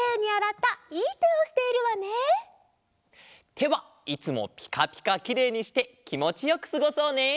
てはいつもピカピカきれいにしてきもちよくすごそうね！